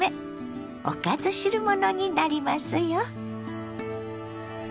おかず汁物になりますよ。